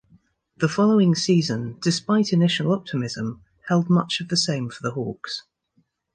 The following season, despite initial optimism, held much of the same for the Hawks.